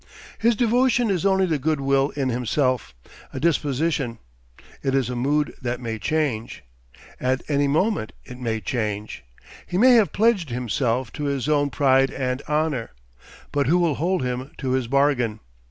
His devotion is only the good will in himself, a disposition; it is a mood that may change. At any moment it may change. He may have pledged himself to his own pride and honour, but who will hold him to his bargain?